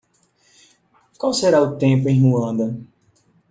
Qual será o tempo em Ruanda?